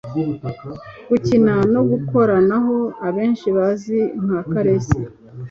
gukina nogukoranaho abenshi bazi nka karese.